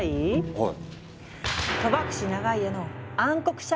はい！